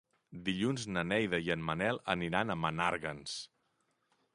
Dilluns na Neida i en Manel aniran a Menàrguens.